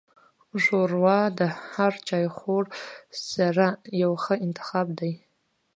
ښوروا د هر چایخوړ سره یو ښه انتخاب دی.